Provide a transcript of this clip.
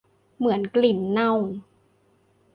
เหมือนกลิ่นเน่า